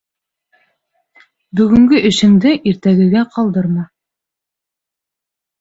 Бөгөнгө эшеңде иртәгәгә ҡалдырма.